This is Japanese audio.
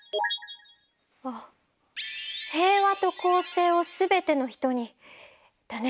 「平和と公正をすべての人に」だね。